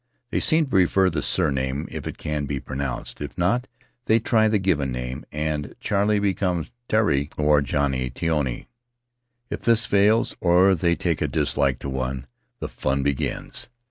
They seem to prefer the surname if it can be pronounced; if not, they try the given name, and Charley becomes Teari, or Johnny, Tioni. If this fails, or if they take a dislike to one, the fun begins.